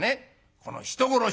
この人殺し！」。